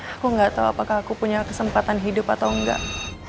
aku nggak tahu apakah aku punya kesempatan hidup atau enggak